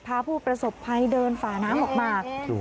พาผู้ประสบภัยเดินฝ่าน้ำออกมา